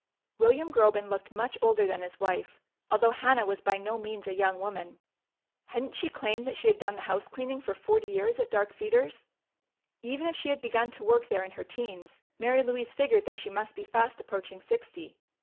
William Groben looked much older than his wife, although Hannah was by no means a young woman. Hadn't she claimed that she had done the house cleaning for forty years at Dark Cedars? Even if she had begun to work there in her teens, Mary Louise figured that she must be fast approaching sixty.